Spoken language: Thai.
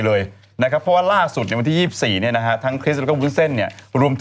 ใช่บอกว่าจะพูดความจริงทั้งหมด